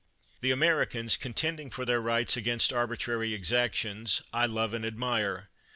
The Americans, contending for their rights against arbitrary ex actions, I love and admire.